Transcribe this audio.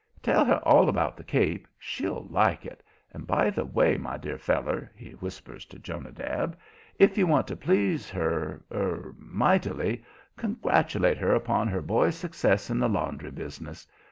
Tell her all about the Cape; she'll like it. And, by the way, my dear feller," he whispers to Jonadab "if you want to please her er mightily, congratulate her upon her boy's success in the laundry business.